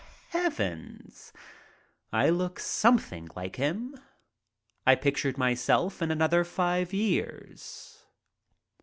Heavens! I look something like him. I picture myself in another five years.